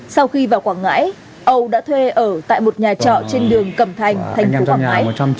sau khi vào quảng ngãi âu đã thuê ở tại một nhà trò trên đường cầm thành tp quảng ngãi